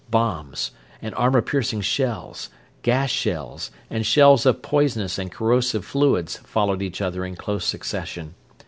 Bombs, and armor piercing shells, gas shells, and shells of poisonous and corrosive fluids followed each other in close succession.